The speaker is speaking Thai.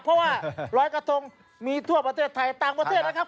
เพราะว่ารอยกระทงมีทั่วประเทศไทยต่างประเทศนะครับ